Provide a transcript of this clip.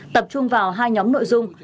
tập trung vào hai nhóm nội dung